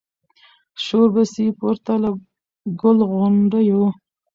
شور به سي پورته له ګل غونډیو